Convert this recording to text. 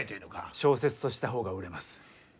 小説とした方が売れます。